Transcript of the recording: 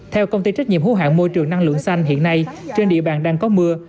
theo công ty trách nhiệm hữu hạng môi trường năng lượng xanh hiện nay trên địa bàn đang có mưa